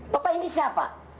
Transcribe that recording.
bapak ini siapa